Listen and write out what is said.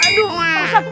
aduh pak ustadz